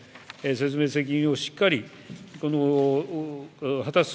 説明責任をしっかり果たす。